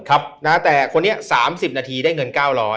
แต่คนนี้๓๐นาทีได้เงิน๙๐๐